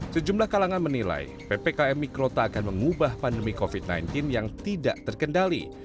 sejumlah kalangan menilai ppkm mikro tak akan mengubah pandemi covid sembilan belas yang tidak terkendali